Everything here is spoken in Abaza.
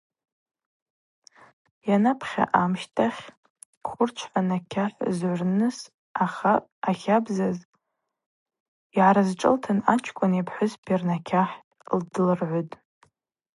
Йанапхьа амщтахь хвырчвхӏва накьахӏ згӏвырныс ахабзаз йгӏарызшӏылтын ачкӏвыни апхӏвыспи рнакьахӏ длыргӏвытӏ.